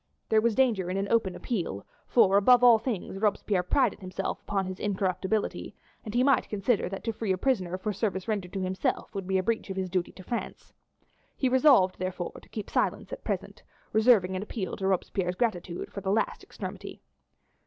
There was danger in an open appeal, for, above all things, Robespierre prided himself upon his incorruptibility, and he might consider that to free a prisoner for service rendered to himself would be a breach of his duty to France. He resolved, therefore, to keep silence at present, reserving an appeal to Robespierre's gratitude for the last extremity.